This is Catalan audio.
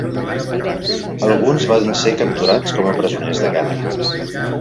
Alguns van ser capturats com a presoners de guerra.